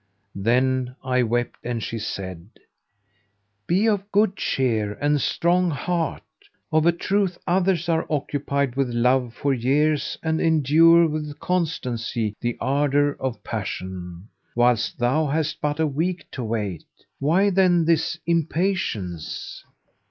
Then I wept, and she said, "Be of good cheer and strong heart: of a truth others are occupied with love for years and endure with constancy the ardour of passion, whilst thou hast but a week to wait; why then this impatience?"